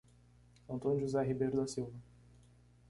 Antônio José Ribeiro da Silva